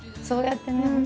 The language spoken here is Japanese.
そうやってね